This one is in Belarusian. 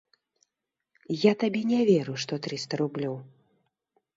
Я табе не веру, што трыста рублёў.